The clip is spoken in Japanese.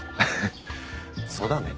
そうだね。